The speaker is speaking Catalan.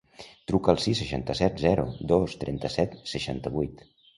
Truca al sis, seixanta-set, zero, dos, trenta-set, seixanta-vuit.